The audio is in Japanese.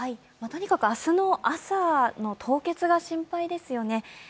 とにかく明日の朝の凍結が心配ですよね。